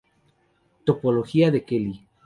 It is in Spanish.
Topología de Kelly